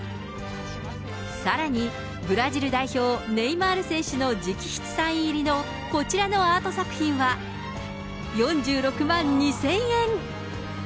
さらに、ブラジル代表、ネイマール選手の直筆サイン入りのこちらのアート作品は４６万２０００円。